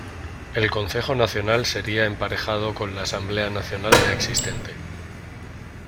El Concejo Nacional sería emparejado con la Asamblea Nacional ya existente.